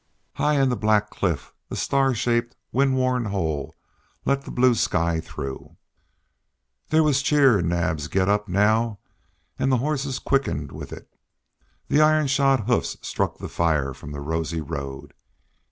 High in the black cliff a star shaped, wind worn hole let the blue sky through. There was cheer in Naab's "Getup," now, and the horses quickened with it. Their iron shod hoofs struck fire from the rosy road.